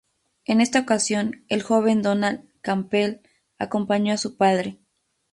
En esta ocasión, el joven Donald Campbell acompañó a su padre.